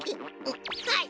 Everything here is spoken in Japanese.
はい！